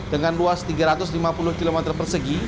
dengan luas tiga ratus lima puluh km persegi